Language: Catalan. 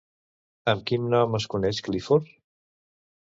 Amb quin nom es coneix Clifford?